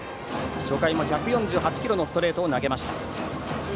初回も１４８キロのストレートを投げました。